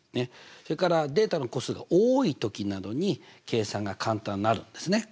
それからデータの個数が多い時などに計算が簡単になるんですね。